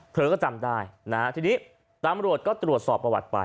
เธอก็จำได้นะฮะทีนี้ตำรวจก็ตรวจสอบประวัติไป